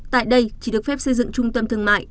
tại đây chỉ được phép xây dựng trung tâm thương mại